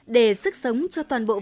để sức sống cho toàn bộ vùng trẻ